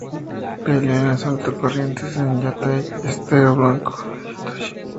Peleó en el asalto a Corrientes, en Yatay, Estero Bellaco y Tuyutí.